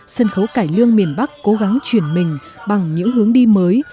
sân khấu cải lương miền bắc cố gắng chuyển mình bằng những hướng đi mới